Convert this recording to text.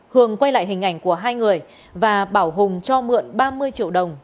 hường quay lại hình ảnh của hai người và bảo hùng cho mượn ba mươi triệu đồng